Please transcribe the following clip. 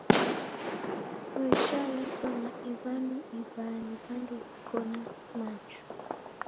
Kitoi cha laswa na iwanu ibaa ni wandu wiko na machu